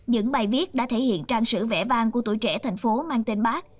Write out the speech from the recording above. những bài viết đã thể hiện trang sử vẽ vang của tuổi trẻ tp hcm mang tên bác